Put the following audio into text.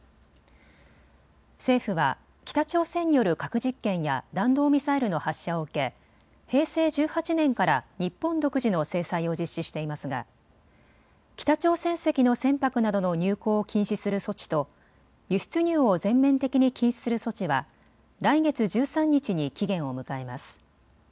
政府は北朝鮮による核実験や弾道ミサイルの発射を受け平成１８年から日本独自の制裁を実施していますが北朝鮮籍の船舶などの入港を禁止する措置と輸出入を全面的に禁止する措置は来月１３日に期限を迎えます。